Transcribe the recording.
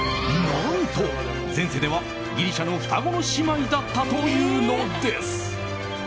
何と前世ではギリシャの双子の姉妹だったというのです。